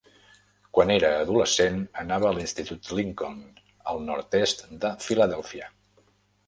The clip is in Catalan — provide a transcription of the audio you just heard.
Quan era adolescent anava a l'Institut Lincoln al nord-est de Filadèlfia.